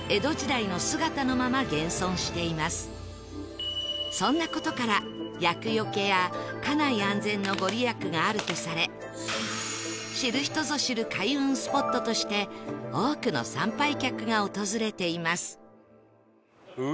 今なおそんな事から厄よけや家内安全の御利益があるとされ知る人ぞ知る開運スポットとして多くの参拝客が訪れています